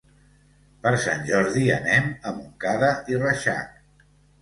Per Sant Jordi anem a Montcada i Reixac.